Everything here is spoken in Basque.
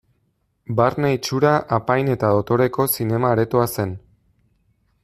Barne itxura apain eta dotoreko zinema aretoa zen.